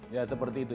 ya seperti itu